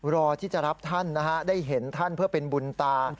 รอที่จะรับท่านนะฮะได้เห็นท่านเพื่อเป็นบุญตา